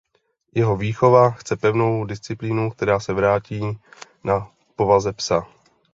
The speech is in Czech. Jeho výchova chce pevnou disciplínu která se vrátí na povaze psa.